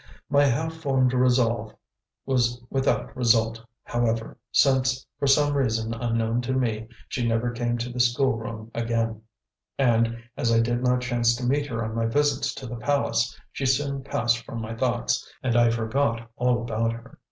My half formed resolve was without result, however, since, for some reason unknown to me, she never came to the school room again; and, as I did not chance to meet her on my visits to the palace, she soon passed from my thoughts, and I forgot all about her.